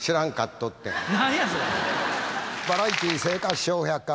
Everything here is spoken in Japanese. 「バラエティー生活笑百科」。